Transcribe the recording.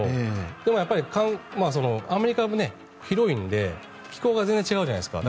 でもアメリカも広いので気候が全然違うじゃないですか。